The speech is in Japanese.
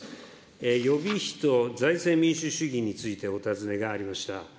予備費と財政民主主義についてお尋ねがありました。